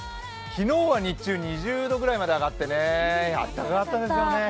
昨日は日中、２０度くらいまで上がって暖かかったですね。